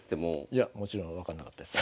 いやもちろん分かんなかったです。